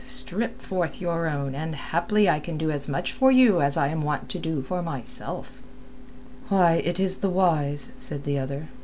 Strip forth your own, and haply I can do as much for you as I am wont to do for myself." "Why, it is this wise," said the other.